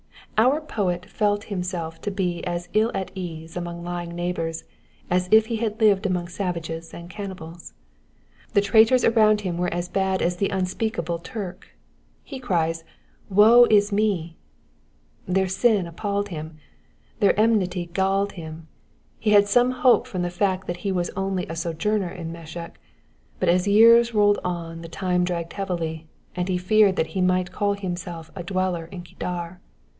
Our poet felt himself to be as ill at ease among lying neighbours as if he had Uvea among savages and cannibals. The traitors around liim were as bad as the im speakable Turk. He cries Woe is me !*' Their sin appalled him, their enmity galled him. He had some hope from the fact that he was only a sojourner in Mesech ; but as years rolled on the time dragged heavily, and he feared that he might call himself a dweller in Ecdar.